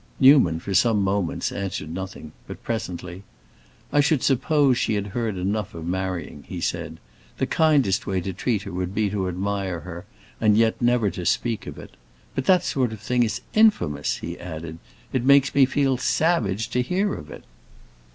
Newman, for some moments, answered nothing; but presently, "I should suppose she had heard enough of marrying," he said. "The kindest way to treat her would be to admire her, and yet never to speak of it. But that sort of thing is infamous," he added; "it makes me feel savage to hear of it."